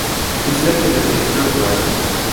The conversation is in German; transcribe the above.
Die Fläche beträgt knapp drei Hektar.